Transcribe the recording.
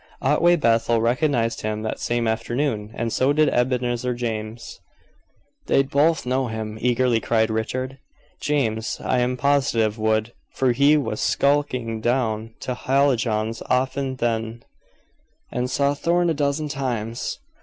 Otway Bethel recognized him that same afternoon, and so did Ebenezer James." "They'd both know him," eagerly cried Richard. "James I am positive would, for he was skulking down to Hallijohn's often then, and saw Thorn a dozen times.